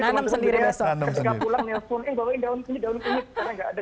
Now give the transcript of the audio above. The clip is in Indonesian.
jadi cuma pulang nelfon eh bawain daun kunyit daun kunyit karena nggak ada